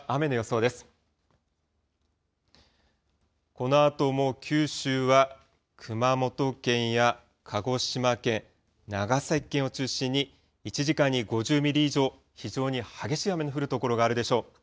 このあとも九州は、熊本県や鹿児島県、長崎県を中心に、１時間に５０ミリ以上、非常に激しい雨の降る所があるでしょう。